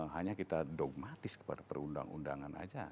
hanya kita dogmatis kepada perundang undangan saja